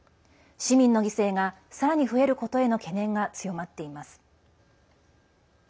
市民の犠牲がさらに増えることへの懸念が強まっています。